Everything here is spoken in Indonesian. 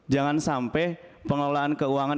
jangan sampai pengelolaan keuangan